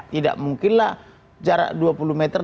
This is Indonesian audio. tidak mungkinlah jarak dua puluh meter